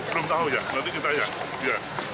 oh belum tahu ya nanti kita lihat